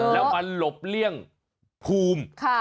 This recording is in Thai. แล้วมันหลบเลี่ยงภูมิ